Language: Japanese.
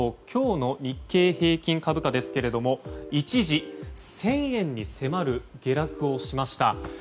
今日の日経平均株価ですけれども一時、１０００円に迫る下落をしました。